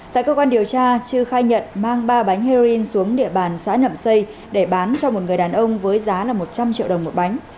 tại cơ quan điều tra chư khai nhận mang ba bánh heroin xuống địa bàn xã nậm xây để bán cho một người đàn ông với giá một trăm linh triệu đồng một bánh